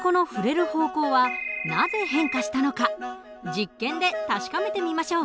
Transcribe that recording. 実験で確かめてみましょう。